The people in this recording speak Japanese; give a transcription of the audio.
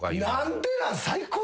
何でなん？